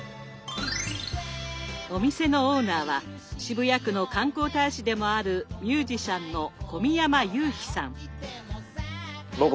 お店のオーナーは渋谷区の観光大使でもあるミュージシャンの僕